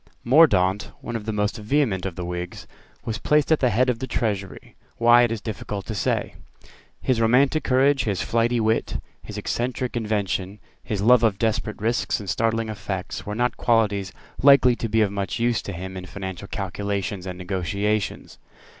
Mordaunt, one of the most vehement of the Whigs, was placed at the head of the Treasury; why, it is difficult to say. His romantic courage, his flighty wit, his eccentric invention, his love of desperate risks and startling effects, were not qualities likely to be of much use to him in financial calculations and negotiations.